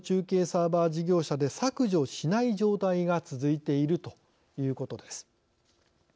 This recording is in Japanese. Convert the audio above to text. サーバー事業者で削除しない状態が続いているということです。